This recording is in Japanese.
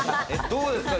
どうですか？